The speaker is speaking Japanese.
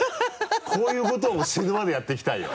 こういうことを死ぬまでやっていきたいよ！